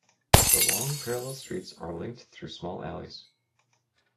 The long parallel streets are linked through small alleys.